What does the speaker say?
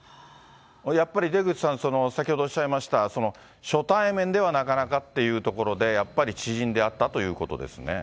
やっぱり出口さん、先ほどおっしゃいました、初対面ではなかなかというところで、やっぱり知人であったということですね。